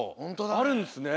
あるんですね。